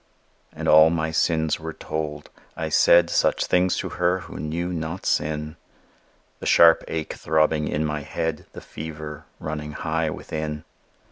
And all my sins were told; I said Such things to her who knew not sin The sharp ache throbbing in my head, The fever running high within.